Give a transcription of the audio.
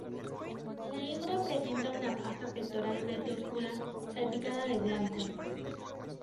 La hembra presenta una faja pectoral verde oscura, salpicada de blanco.